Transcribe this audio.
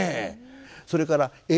それから襟。